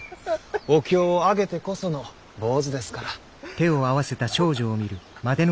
お経をあげてこその坊主ですから。